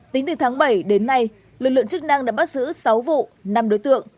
tính từ tháng bảy đến nay lực lượng chức năng đã bắt giữ sáu vụ năm đối tượng